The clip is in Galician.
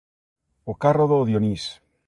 O carro do Dionís